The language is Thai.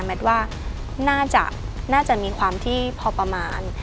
ว่าน่าจะมีความที่พอประมาณ